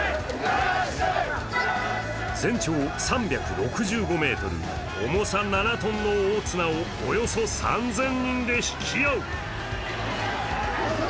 全長３６５ｍ、重さ７ｔの大綱をおよそ３０００人で引き合う。